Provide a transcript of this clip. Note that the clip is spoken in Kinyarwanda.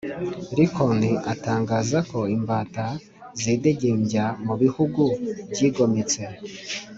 lincoln atangaza ko imbata zidegembya mu bihugu byigometse